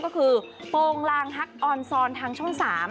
ก็คือโปรงลางฮักออนซอนทางช่อง๓